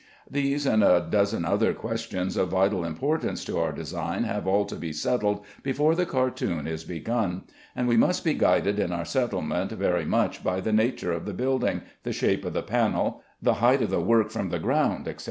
These and a dozen other questions of vital importance to our design have all to be settled before the cartoon is begun, and we must be guided in our settlement very much by the nature of the building, the shape of the panel, the height of the work from the ground, etc.